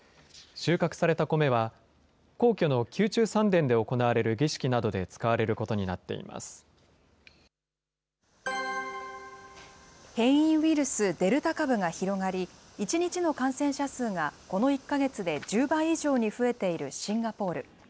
収穫された米は、皇居の宮中三殿で行われる儀式などで使われるこ変異ウイルス、デルタ株が広がり、一日の感染者数がこの１か月で１０倍以上に増えているシンガポール。